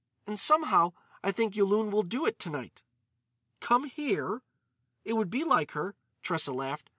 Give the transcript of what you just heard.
And, somehow, I think Yulun will do it to night." "Come here?" "It would be like her." Tressa laughed.